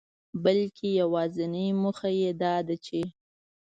بلکي يوازنۍ موخه يې داده چي